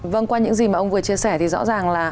vâng qua những gì mà ông vừa chia sẻ thì rõ ràng là